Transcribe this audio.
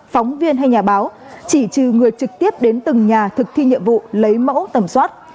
phóng viên hay nhà báo chỉ trừ người trực tiếp đến từng nhà thực thi nhiệm vụ lấy mẫu tầm soát